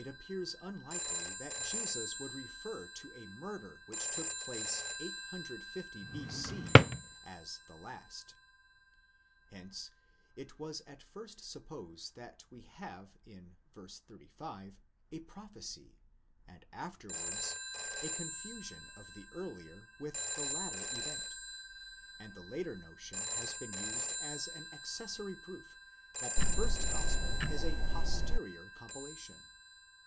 appears unlikely that Jesus would refer to a murder which took place 850 B.c. as the last. Hence it was at first supposed that we have in v. 35 a prophecy, and afterwards, a confusion of the earlier with the later event ; and the latter notion has been used as an accessory proof that the first gospel is a posterior compilation.